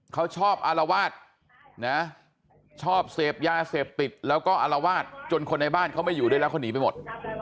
เขาชอบอารวาสนะชอบเสพยาเสพติดแล้วก็อารวาสจนคนในบ้านเขาไม่อยู่ด้วยแล้วเขาหนีไปหมด